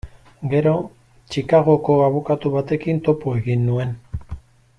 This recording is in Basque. Gero, Chicagoko abokatu batekin topo egin nuen.